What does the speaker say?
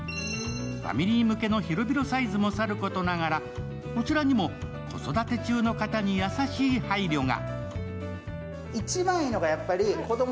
ファミリー向けの広々サイズもさることながら、こちらにも子育て中の方に優しい配慮が。